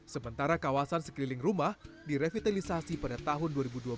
sementara kawasan sekeliling rumah direvitalisasi pada tahun dua ribu dua puluh